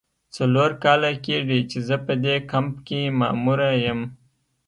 څلور کاله کیږي چې زه په دې کمپ کې ماموره یم.